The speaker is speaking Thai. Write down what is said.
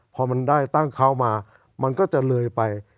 พอตั้งเข้ามาจะเหลยไป